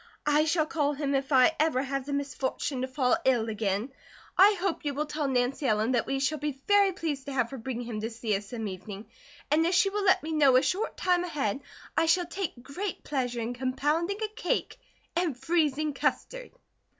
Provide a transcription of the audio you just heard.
I shall call him if I ever have the misfortune to fall ill again. I hope you will tell Nancy Ellen that we shall be very pleased to have her bring him to see us some evening, and if she will let me know a short time ahead I shall take great pleasure in compounding a cake and freezing custard."